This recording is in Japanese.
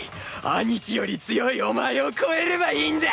兄貴より強いお前を超えればいいんだ！